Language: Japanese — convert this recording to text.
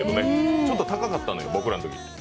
ちょっと高かったのよ、僕らのときは。